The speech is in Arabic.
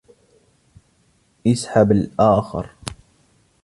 إسحب الآخر